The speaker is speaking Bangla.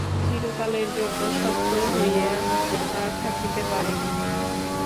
চিরকালের জন্য সত্য হইয়াও থাকিতে পারে মিথ্যা।